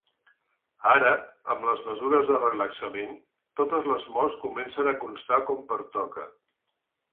Ara, amb les mesures de relaxament, totes les morts comencen a constar com pertoca.